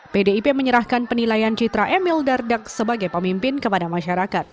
pdip menyerahkan penilaian citra emil dardak sebagai pemimpin kepada masyarakat